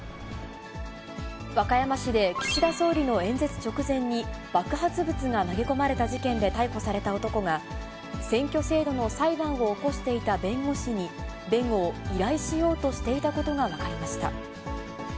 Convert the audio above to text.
和歌山市で岸田総理の演説直前に爆発物が投げ込まれた事件で逮捕された男が、選挙制度の裁判を起こしていた弁護士に弁護を依頼しようとしていたことが分かりました。